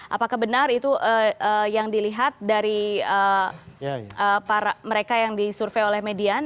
apakah benar itu yang dilihat dari mereka yang disurvey oleh median